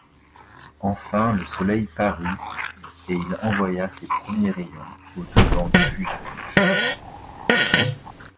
Enfin le soleil parut, et il envoya ses premiers rayons au-devant des fugitifs.